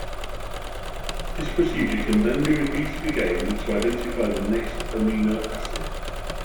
This procedure can then be repeated again to identify the next amino acid.